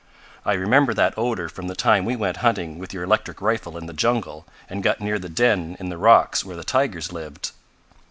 I remember that odor from the time we went hunting with your electric rifle in the jungle, and got near the den in the rocks where the tigers lived."